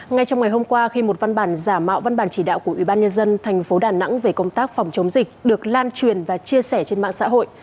ngay trong ngày hôm qua khi một văn bản giả mạo văn bản chỉ đạo của ủy ban nhân dân tp đà nẵng về công tác phòng chống dịch được lan truyền và chia sẻ trên mạng xã hội